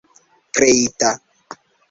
kreita